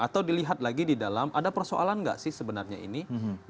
atau dilihat lagi di dalam ada persoalan nggak sih sebenarnya ini